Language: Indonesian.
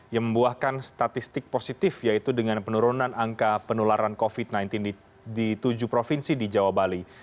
yang membuahkan statistik positif yaitu dengan penurunan angka penularan covid sembilan belas di tujuh provinsi di jawa bali